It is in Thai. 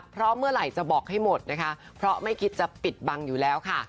เพราะเมื่อไหร่จะบอกให้หมดนะคะเพราะไม่คิดจะปิดบังอยู่แล้วค่ะ